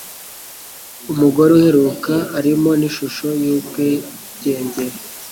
Umugore uheruka arimo ni Ishusho y'Ubwigenge.